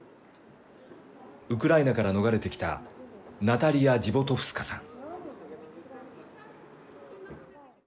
ウクライナから逃れてきたナタリヤ・ジヴォトフスカさん。